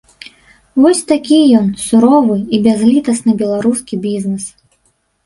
Вось такі ён, суровы і бязлітасны беларускі бізнес!